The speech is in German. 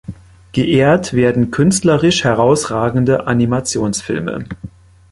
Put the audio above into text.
Geehrt werden künstlerisch herausragende Animationsfilme.